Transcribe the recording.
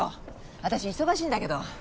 私忙しいんだけど。